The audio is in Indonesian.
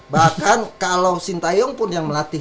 bahkan kalau sintayong pun yang melatih